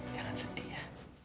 jangan sedih ya